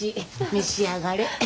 召し上がれ。